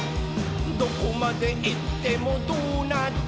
「どこまでいってもドーナツ！」